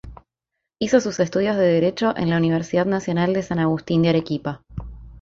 Hizo sus estudios de Derecho en la Universidad Nacional de San Agustín de Arequipa.